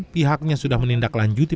pihaknya sudah menindaklanjuti